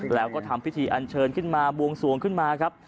แล้วก็ทำพิธีอันเชิญขึ้นมาบวงสวงขึ้นมาครับ